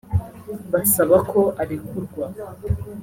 basaba ko arekurwa